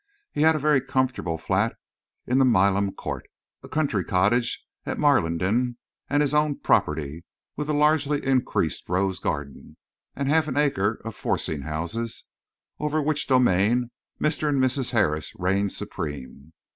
He had a very comfortable flat in the Milan Court, a country cottage at Marlingden, now his own property, with a largely increased rose garden, and half an acre of forcing houses, over which domain Mr. and Mrs. Harris reigned supreme.